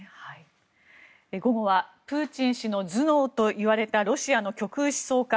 午後はプーチン氏の頭脳といわれたロシアの極右思想家